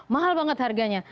mahal banget harganya